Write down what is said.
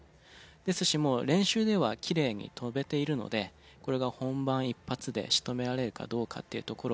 ですしもう練習ではキレイに跳べているのでこれが本番一発で仕留められるかどうかっていうところ。